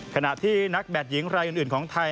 ขณะที่นักแบตหญิงรายอื่นของไทย